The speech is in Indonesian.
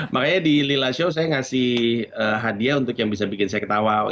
makanya di lila show saya ngasih hadiah untuk yang bisa bikin saya ketawa